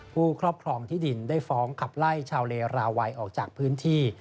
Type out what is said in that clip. ครอบครองที่ดินได้ฟ้องขับไล่ชาวเลราวัยออกจากพื้นที่